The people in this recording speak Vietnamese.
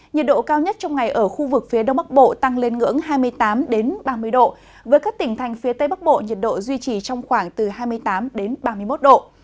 nhiệt độ cao nhất trong ngày ở khu vực phía đông bắc bộ tăng lên ngưỡng hai mươi tám ba mươi độ với các tỉnh thành phía tây bắc bộ nhiệt độ duy trì trong khoảng từ hai mươi tám ba mươi một độ